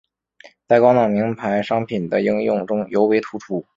在高档名牌商品的应用中尤为突出。